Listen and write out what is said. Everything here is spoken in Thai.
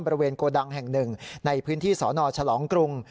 โกดังแห่งหนึ่งในพื้นที่สนฉลองกรุง